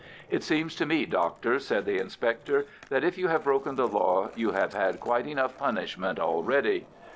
"It seems to me, Doctor," said the inspector, "that, if you have broken the law, you have had quite enough punishment already."